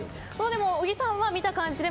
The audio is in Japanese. でも小木さんは見た感じで。